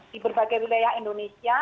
di berbagai wilayah indonesia